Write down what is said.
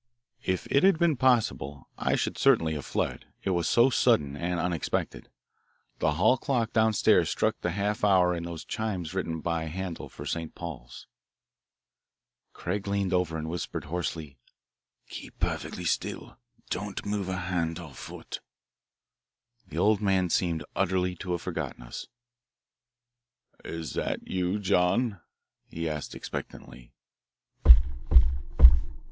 If it had been possible I should certainly have fled, it was so sudden and unexpected. The hall clock downstairs struck the half hour in those chimes written by Handel for St. Paul's. Craig leaned over to me and whispered hoarsely, "Keep perfectly still don't move a hand or foot." The old man seemed utterly to have forgotten us. "Is that you, John?" he asked expectantly. Rap!